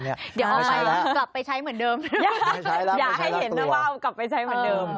เดี๋ยวเอาไปใช้เหมือนเดิมนะครับไม่ใช้แล้วไม่ใช้แล้วตัวอยากให้เห็นน้ำเบ้ากลับไปใช้เหมือนเดิม